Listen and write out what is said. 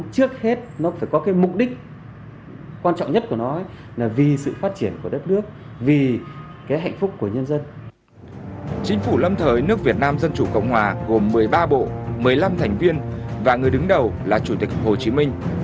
chính phủ lâm thời nước việt nam dân chủ cộng hòa gồm một mươi ba bộ một mươi năm thành viên và người đứng đầu là chủ tịch hồ chí minh